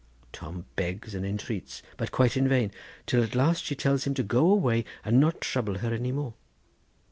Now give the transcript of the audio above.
Tom begs and entreats, but quite in vain, till at last she tells him to go away and not trouble her any more.